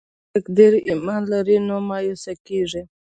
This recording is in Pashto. څوک چې په تقدیر ایمان لري، نه مایوسه کېږي.